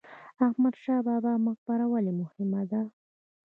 احمد شاه بابا مقبره ولې مهمه ده؟